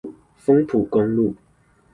豐埔公路